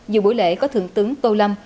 dù buổi lễ có thượng tướng tô lâm